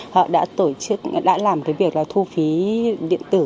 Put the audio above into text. họ đã tổ chức đã làm cái việc là thu phí điện tử